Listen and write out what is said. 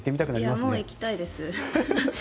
もう行きたいです。